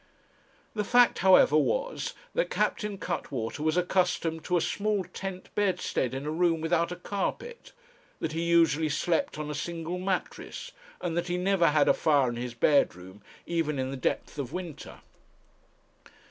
The fact, however, was that Captain Cuttwater was accustomed to a small tent bedstead in a room without a carpet, that he usually slept on a single mattress, and that he never had a fire in his bedroom, even in the depth of winter.